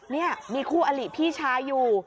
นี่มีคู่อลิพี่ชายอยู่